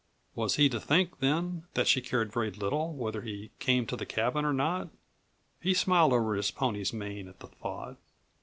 Was he to think then that she cared very little whether he came to the cabin or not? He smiled over his pony's mane at the thought.